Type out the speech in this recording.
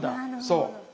そう。